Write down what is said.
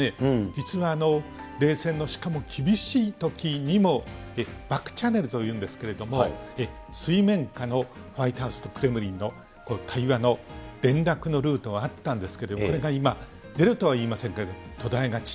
実は冷戦のしかも厳しいときにも、バックチャネルというんですけれども、水面下のホワイトハウスとクレムリンのこの対話の連絡のルートはあったんですけれども、これが今、ゼロとは言いませんけれども、途絶えがち。